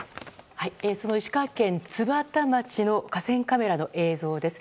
石川県津幡町の河川カメラの映像です。